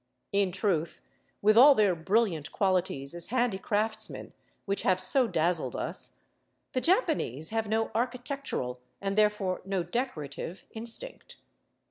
In truth, with all their brilliant qualities as handicraftsmen, which have so dazzled us, the Japanese have no architectural, and therefore no decorative, instinct.